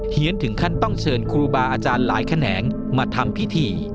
ถึงขั้นต้องเชิญครูบาอาจารย์หลายแขนงมาทำพิธี